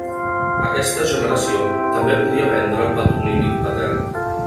Aquesta generació també podia prendre el patronímic patern.